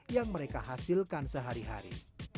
yang mereka hasilkan sehari hari